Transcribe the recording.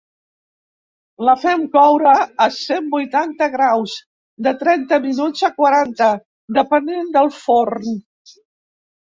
La fem coure a cent vuitanta graus, de trenta minuts a quaranta, depenent del forn.